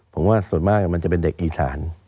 ผมว่าส่วนมากมันจะเป็นเด็กอีสาน